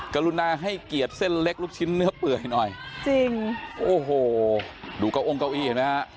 กรุณาให้เกียรติเส้นเล็กลูกชิ้นเนื้อเปื่อยหน่อยจริงโอ้โหดูเก้าองเก้าอี้เห็นไหมฮะ